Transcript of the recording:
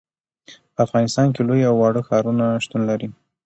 په افغانستان کې لوی او واړه ښارونه شتون لري.